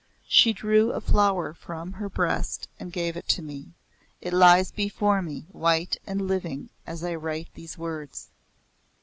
She drew a flower from her breast and gave it to me. It lies before me white and living as I write these words.